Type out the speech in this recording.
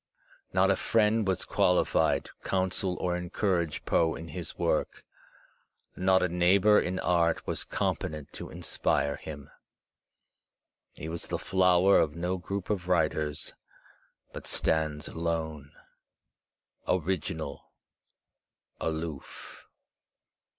Not a friend was qualified to counsel or en courage Poe in his work, not a neighboiu* in art was compe tent to inspire him. He was the flower of no group of writers, but stands alone, original, aloof.